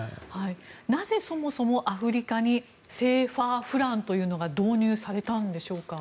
なぜ、そもそもアフリカにＣＦＡフランというのが導入されたんでしょうか？